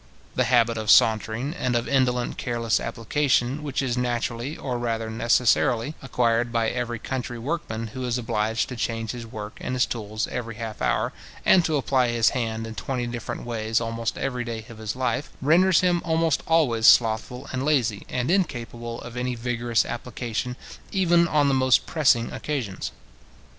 The habit of sauntering, and of indolent careless application, which is naturally, or rather necessarily, acquired by every country workman who is obliged to change his work and his tools every half hour, and to apply his hand in twenty different ways almost every day of his life, renders him almost always slothful and lazy, and incapable of any vigorous application, even on the most pressing occasions.